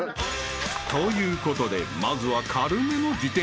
［ということでまずは］